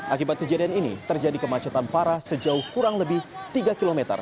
akibat kejadian ini terjadi kemacetan parah sejauh kurang lebih tiga km